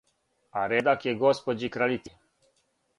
А редак је госпођи краљици.